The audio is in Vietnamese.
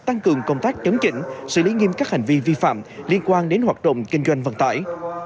tăng cường công tác chấn chỉnh xử lý nghiêm các hành vi vi phạm liên quan đến hoạt động kinh doanh vận tải